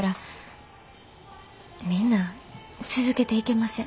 みんな続けていけません。